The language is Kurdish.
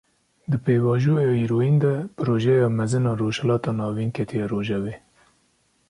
Di pêvajoya îroyîn de, Projeya Mezin a Rojhilata Navîn ketiye rojevê